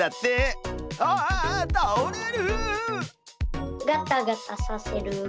あああたおれる！